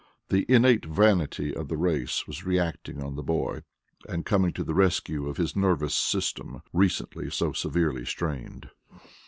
The innate vanity of the race was reacting on the boy, and coming to the rescue of his nervous system, recently so severely strained.